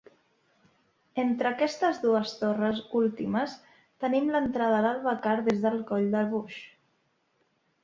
Entre aquestes dues torres últimes tenim l'entrada a l'albacar des del Coll de Boix.